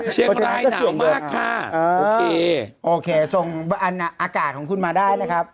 เชียงรายหนาวมากค่ะโอเคโอเคส่งอากาศของคุณมาได้นะครับ